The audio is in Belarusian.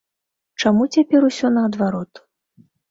Чаму цяпер усё наадварот?